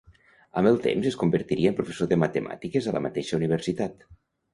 Amb el temps es convertiria en professor de matemàtiques a la mateixa universitat.